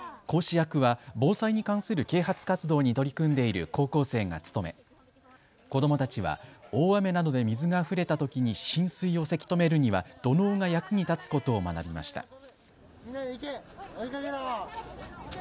講師役は防災に関する啓発活動に取り組んでいる高校生が務め子どもたちは大雨などで水があふれたときに浸水をせき止めるには土のうが役に立つことを学びました。